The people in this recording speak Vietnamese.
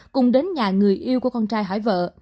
cùng đến nhà người yêu của con trai hải vợ